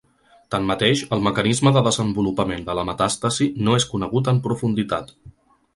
Tanmateix, el mecanisme de desenvolupament de la metàstasi no és conegut en profunditat.